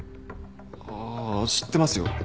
ああ知ってますよ。